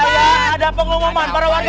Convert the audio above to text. ada pengumuman para warga